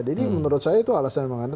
jadi menurut saya itu alasan yang mengada